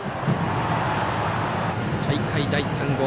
大会第３号。